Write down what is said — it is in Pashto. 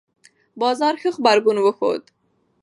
بازار ښه غبرګون وښود.